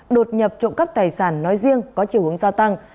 đột nhập trộm cắp tài sản nói riêng có chiều hướng gia tăng